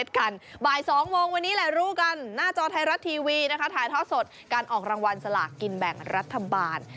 ที่มีทีวีถ่ายทอดสดการออกรางวัลสลากินแบ่งรัฐบาล